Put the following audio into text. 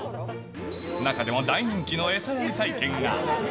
中でも大人気の餌やり体験が。